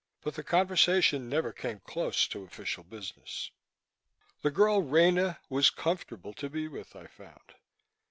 But the conversation never came close to official business. The girl Rena was comfortable to be with, I found.